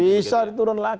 bisa diturun lagi